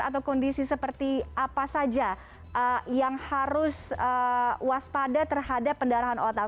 atau kondisi seperti apa saja yang harus waspada terhadap pendarahan otak